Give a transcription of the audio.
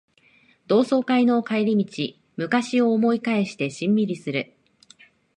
同窓会の帰り道、昔を思い返してしんみりする